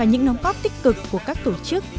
và những nón cóp tích cực của các tổ chức